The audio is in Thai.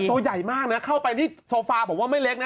ตัวใหญ่มากนะเข้าไปที่โซฟาผมว่าไม่เล็กนะ